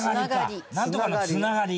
なんとかのつながり。